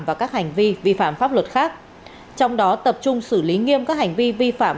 vì vi phạm pháp luật khác trong đó tập trung xử lý nghiêm các hành vi vi phạm